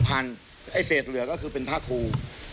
ไอ้เศษเหลือก็คือเป็นผ้าครู